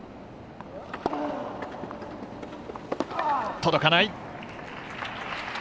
届かない！